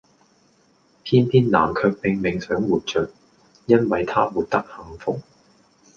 偏偏南卻拼命想活著，因為她活得幸福